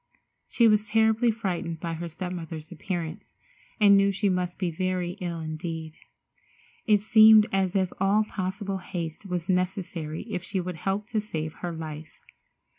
She was terribly frightened by her step mother's appearance, and knew she must be very ill indeed. It seemed as if all possible haste was necessary if she would help to save her life.